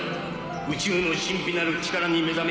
宇宙の神秘なる力に目覚め